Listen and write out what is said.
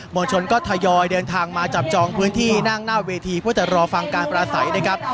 วลชนก็ทยอยเดินทางมาจับจองพื้นที่นั่งหน้าเวทีเพื่อจะรอฟังการปราศัยนะครับ